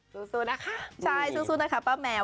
สู้นะคะใช่สู้นะคะป้าแมว